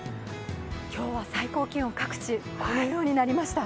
今日は最高気温、各地、このようになりました。